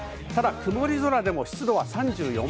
曇り空でも湿度は３４％。